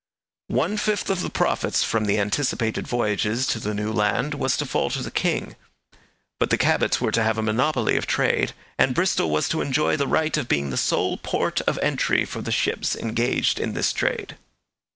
One fifth of the profits from the anticipated voyages to the new land was to fall to the king, but the Cabots were to have a monopoly of trade, and Bristol was to enjoy the right of being the sole port of entry for the ships engaged in this trade.